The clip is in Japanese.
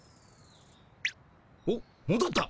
おっもどった！